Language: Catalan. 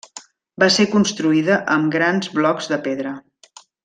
Va ser construïda amb grans blocs de pedra.